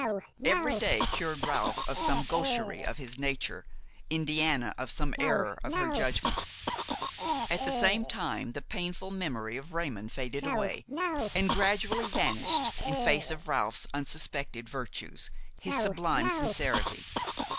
Every day cured Ralph of some gaucherie of his nature, Indiana of some error of her judgment. At the same time the painful memory of Raymon faded away and gradually vanished in face of Ralph's unsuspected virtues, his sublime sincerity.